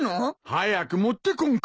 早く持ってこんか。